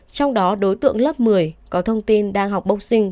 trong đó đối tượng lớp một mươi có thông tin đang học bốc sinh